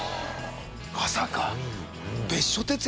まさか。